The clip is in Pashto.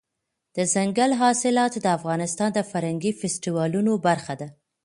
دځنګل حاصلات د افغانستان د فرهنګي فستیوالونو برخه ده.